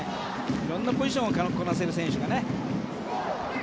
色んなポジションをこなせる選手がね。